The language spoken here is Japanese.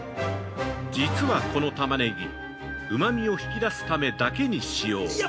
◆実はこのタマネギ、うまみを引き出すためだけに使用。